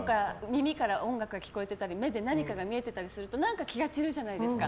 耳から音楽が聴こえてたり目で何かが見えてたりすると何か気が散るじゃないですか。